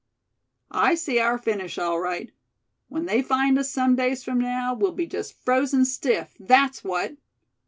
I see our finish all right. When they find us some days from now, we'll be just frozen stiff, that's what!"